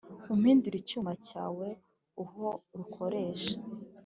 Umpindure icyuma Cyawe Uhor’ukoresha.